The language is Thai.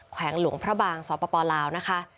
แขวงหลวงพระบางสปลาวนะคะ